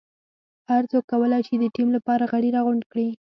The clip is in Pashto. هر څوک کولای شي د ټیم لپاره غړي راغونډ کړي.